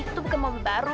itu bukan mobil baru